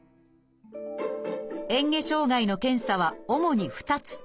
えん下障害の検査は主に２つ。